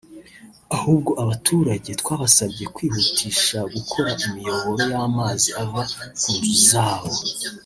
ahubwo abaturage twabasabye ko kwihutisha gukora imiyoboro y’amazi ava ku nzu zabo